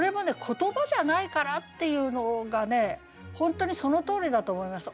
「言葉じゃないから」っていうのが本当にそのとおりだと思いました。